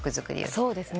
そうですね。